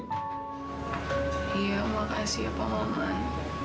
iya makasih pak maman